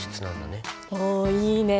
おいいね。